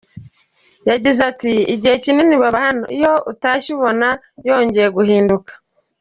Yagize ati “Igihe kinini baba hano, iyo atashye ubona yongeye guhinduka.